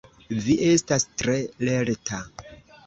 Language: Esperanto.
Vi estas tre lerta!